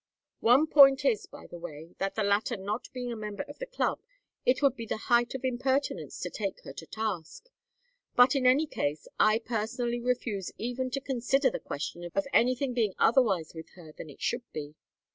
One point is, by the way, that the latter not being a member of the Club it would be the height of impertinence to take her to task. But in any case I personally refuse even to consider the question of anything being otherwise with her than it should be.